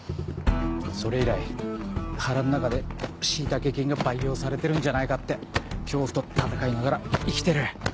それ以来腹の中でシイタケ菌が培養されてるんじゃないかって恐怖と闘いながら生きてる。